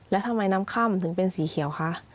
แล้วทำไมน้ำค่ำถึงเป็นสีเขียวคะ